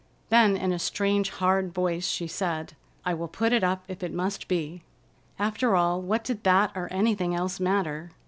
Then in a strange, hard voice she said: "I will put it up if it must be." After all, what did that or anything else matter?